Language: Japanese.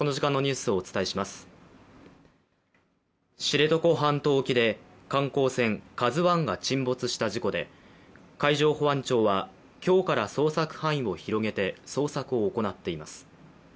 知床半島沖で観光船「ＫＡＺＵⅠ」が沈没した事故で、海上保安庁は今日から捜索範囲を広げて捜索を行っています。